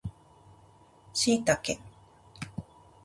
シイタケ